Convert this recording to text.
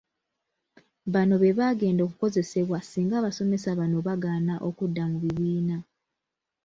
Bano bebagenda okukozesebwa singa abasomesa bano bagaana okudda mu bibiina.